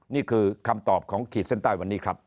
นี่คือคำตอบของขีดเส้นใต้วันนี้ครับ